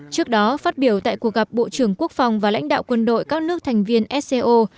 trước đó phát biểu tại cuộc gặp bộ trưởng quốc phòng và lãnh đạo quân đội các nước thành viên sco